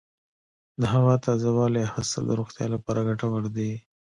د هوا تازه والي اخیستل د روغتیا لپاره ګټور دي.